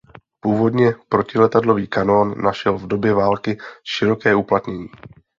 Původně protiletadlový kanón našel v době války široké uplatnění.